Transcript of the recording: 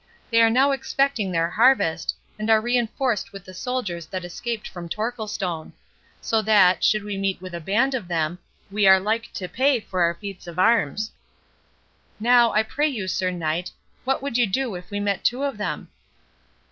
They are now expecting their harvest, and are reinforced with the soldiers that escaped from Torquilstone. So that, should we meet with a band of them, we are like to pay for our feats of arms.—Now, I pray you, Sir Knight, what would you do if we met two of them?"